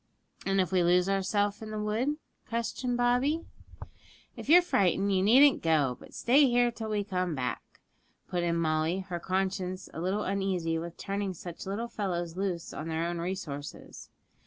'And if we lose ourselves in the wood?' questioned Bobby. 'If you're frightened, you needn't go, but stay here till we come back,' put in Molly, her conscience a little uneasy with turning such little fellows loose on their own resources.